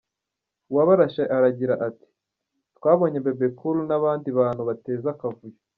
Uwabarashe aragira ati “twabonye Bebe cool n’abandi bantu bateza akavuyo.